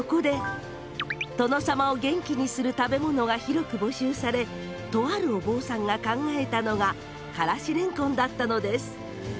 殿様を元気する食べ物が広く募集され、とあるお坊さんが考えたのがからしれんこんだったのです。